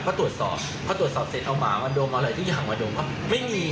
พอตรวจสอบเสร็จเอาหมามาดงอะไรทุกอย่างมาดงเขาไม่มี